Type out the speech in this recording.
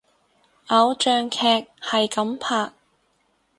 偶像劇係噉拍！